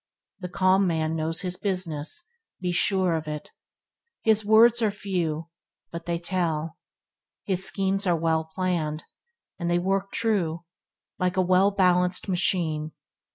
The calm man knows his business, be sure of it. His words are few, but they tell. His schemes are well planned, and they work true, like a well balanced machine.